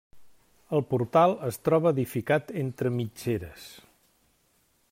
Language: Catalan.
El portal es troba edificat entre mitgeres.